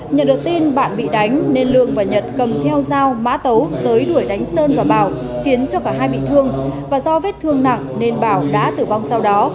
nhận được tin bạn bị đánh nên lương và nhật cầm theo dao mã tấu tới đuổi đánh sơn và bảo khiến cho cả hai bị thương và do vết thương nặng nên bảo đã tử vong sau đó